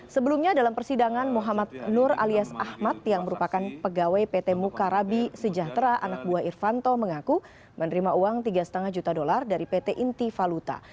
sebelumnya dalam persidangan muhammad nur alias ahmad yang merupakan pegawai pt mukarabi sejahtera anak buah irvanto mengaku menerima uang tiga lima juta dolar dari pt inti valuta